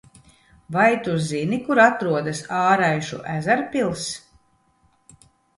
Vai tu zini kur atrodas Āraišu ezerpils?